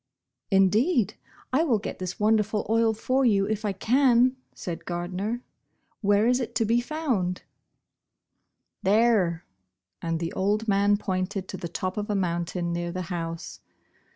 Indeed I will oret this wonderful oil for vou if I can," said Gardner. " Where is it to be found ?" Bosh Bosh Oil. II •• There," and the old man jx>inted tx) the top of a moun:^: r.zir the house.